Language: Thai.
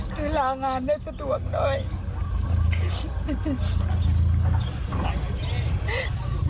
คือลางงานได้สะดวกหน่อย